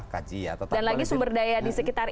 kaji ya dan lagi sumber daya di sekitar